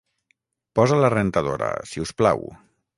Posa la rentadora, si us plau.